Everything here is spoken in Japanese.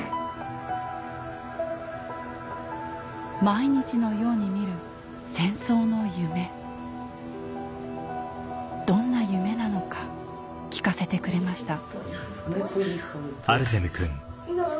毎日のように見るどんな夢なのか聞かせてくれました